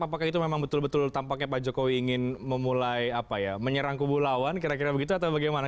apakah itu memang betul betul tampaknya pak jokowi ingin memulai apa ya menyerang kubu lawan kira kira begitu atau bagaimana